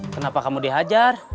kenapa kamu dihajar